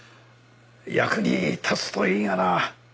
役に立つといいがな。